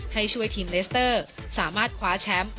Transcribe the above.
ให้ช่วยทีมเลสเตอร์สามารถคว้าแชมป์